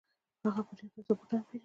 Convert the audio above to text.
هغه په دې پیسو بوټان پيري.